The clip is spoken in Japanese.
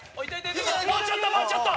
もうちょっともうちょっと！